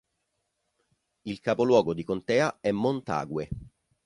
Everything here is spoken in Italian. Il capoluogo di contea è Montague.